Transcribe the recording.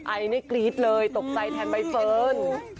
ไอได้คลีทเลยตกใจแทนใบเฟิร์น